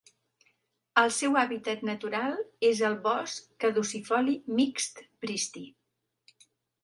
El seu hàbitat natural és al bosc caducifoli mixt pristi.